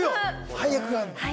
配役があるのよ。